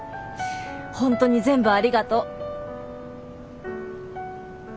本当に全部ありがとう。